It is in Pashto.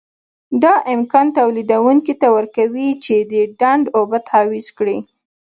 دا امکان تولیدوونکي ته ورکوي چې د ډنډ اوبه تعویض کړي.